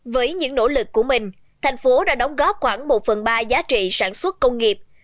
với những nỗ lực của mình thành phố đã đóng góp khoảng một phần ba giá trị sản xuất công nghiệp